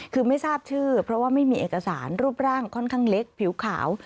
คือไม่ทราบชื่อเพราะว่าไม่มีเอกสารรูปร่างค่อนข้างเล็กผิวขาว